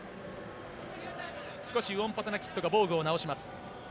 少しウオンパタナキットが防具を直します。